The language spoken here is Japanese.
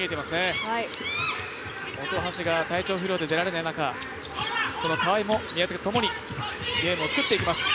本橋が体調不良で出られない中川井も宮崎とともにゲームを作っていきます。